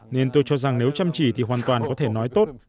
nên tôi cho rằng nếu chăm chỉ thì hoàn toàn có thể nói tốt